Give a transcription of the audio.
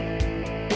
nah ini juga